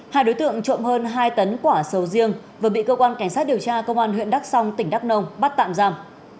hai đối tượng trộm hơn hai tấn quả sầu riêng vừa bị cơ quan cảnh sát điều tra công an huyện đắk song tỉnh đắk nông bắt tạm giam